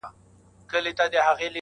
بې څښلو مي مِزاج د مستانه دی,